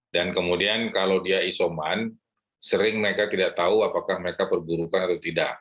dan kemudian kalau dia isoman sering mereka tidak tahu apakah mereka perburukan atau tidak